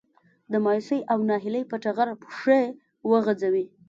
د مايوسي او ناهيلي په ټغر پښې وغځوي.